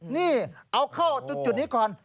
นี่เอาเข้าจุดนี้ก่อน